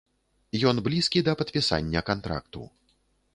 Ён блізкі да падпісання кантракту.